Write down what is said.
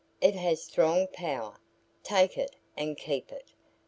It has strong power. Take it and keep it.